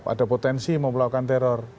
ada potensi mau melakukan teror